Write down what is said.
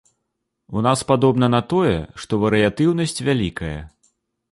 У нас падобна на тое, што варыятыўнасць вялікая.